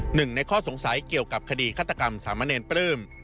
หนึ่งในข้อสงสัยเกี่ยวกับคดีฆาตกรรมสามเณรปลื้ม